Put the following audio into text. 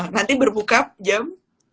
nanti berbuka jam sembilan